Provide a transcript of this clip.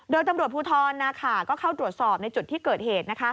โดยตำรวจภูทรนาขาก็เข้าตรวจสอบในจุดที่เกิดเหตุ